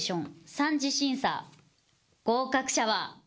３次審査合格者は。